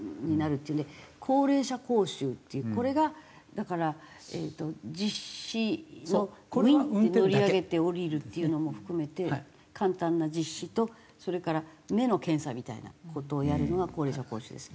高齢者講習っていうこれがだからえーっと実車のグインって乗り上げて下りるっていうのも含めて簡単な実車とそれから目の検査みたいな事をやるのが高齢者講習ですね。